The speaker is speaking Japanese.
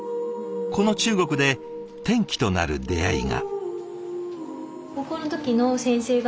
この中国で転機となる出会いが。